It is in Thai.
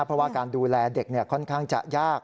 เพราะว่าการดูแลเด็กค่อนข้างจะยาก